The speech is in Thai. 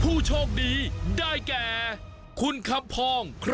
พรุ่งนี้๕สิงหาคมจะเป็นของใคร